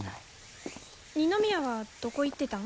二宮はどこ行ってたん？